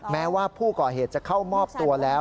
แม้ว่าผู้ก่อเหตุจะเข้ามอบตัวแล้ว